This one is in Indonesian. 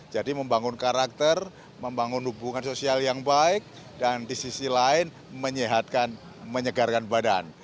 jadi membangun karakter membangun hubungan sosial yang baik dan di sisi lain menyehatkan menyegarkan badan